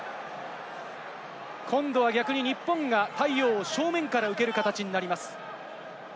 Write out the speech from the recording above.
今度は逆に日本が太陽を正面から受ける形になります。